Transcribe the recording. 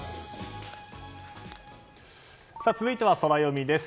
続いては、ソラよみです。